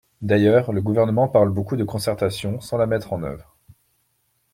D’ailleurs, le Gouvernement parle beaucoup de concertation sans la mettre en œuvre.